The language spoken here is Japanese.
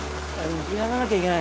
やらなきゃいけない。